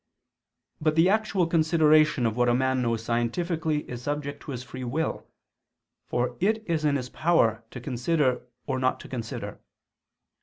But the actual consideration of what a man knows scientifically is subject to his free will, for it is in his power to consider or not to consider.